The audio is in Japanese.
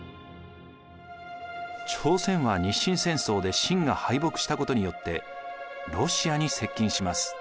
朝鮮は日清戦争で清が敗北したことによってロシアに接近します。